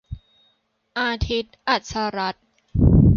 อาทิตย์ อัสสรัตน์